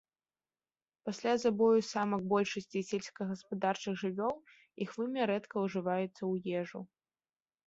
Пасля забою самак большасці сельскагаспадарчых жывёл іх вымя рэдка ўжываецца ў ежу.